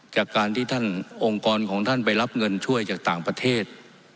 จากการที่ท่านองค์กรของท่านไปรับเงินช่วยจากต่างประเทศ